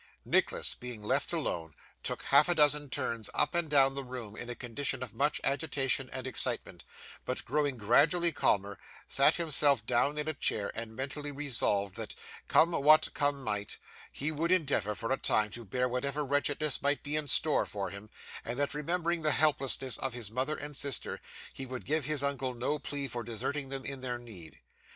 Nicholas, being left alone, took half a dozen turns up and down the room in a condition of much agitation and excitement; but, growing gradually calmer, sat himself down in a chair, and mentally resolved that, come what come might, he would endeavour, for a time, to bear whatever wretchedness might be in store for him, and that remembering the helplessness of his mother and sister, he would give his uncle no plea for deserting them in their need.